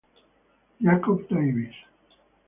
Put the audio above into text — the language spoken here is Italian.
Jakob Davies